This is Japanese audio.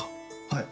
はい。